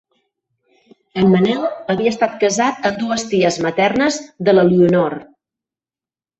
En Manel havia estat casat amb dues ties maternes de l'Elionor.